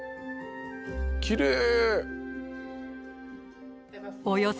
きれい！